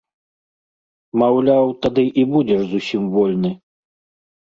Маўляў, тады і будзеш зусім вольны.